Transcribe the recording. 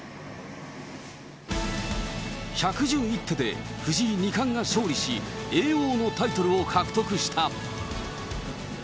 １１１手で藤井二冠が勝利し、叡王のタイトルを獲得した。